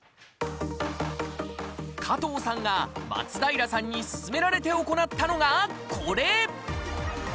加藤さんが、松平さんに勧められて行ったのが、これ。